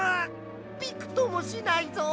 びくともしないぞ！